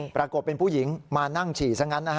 ปรากฏเป็นผู้หญิงมานั่งฉี่ซะงั้นนะฮะ